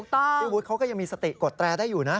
พี่วุฒิเขาก็ยังมีสติกดแตรได้อยู่นะ